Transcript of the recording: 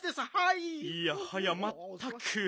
いやはやまったく。